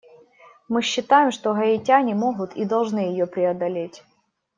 Мы считаем, что гаитяне могут и должны ее преодолеть.